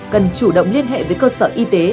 cần chủ động liên hệ với cơ sở y tế